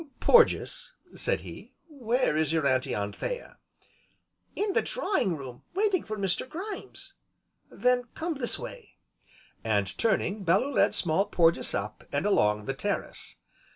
"Porges," said he, "where is your Auntie Anthea?" "In the drawing room, waiting for Mr. Grimes." "Then, come this way." And turning, Bellew led Small Porges up, and along the terrace.